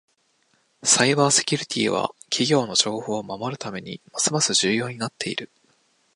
サイバーセキュリティは企業の情報を守るためにますます重要になっている。